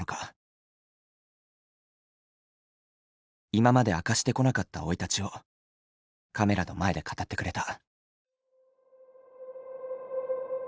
今まで明かしてこなかった生い立ちをカメラの前で語ってくれた。